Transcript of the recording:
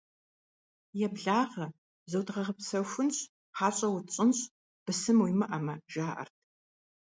«Еблагъэ, зодгъэгъэпсэхунщ, хьэщӀэ утщӀынщ, бысым уимыӀэмэ!» - жаӀэрт.